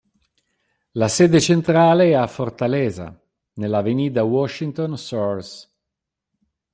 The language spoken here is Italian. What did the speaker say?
La sede centrale è a Fortaleza, nell'Avenida Washington Soares.